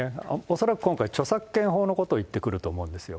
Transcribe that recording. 恐らく今回、著作権法のことを言ってくると思うんですよ。